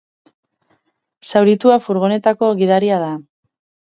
Zauritua furgonetako gidaria da.